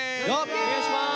お願いします。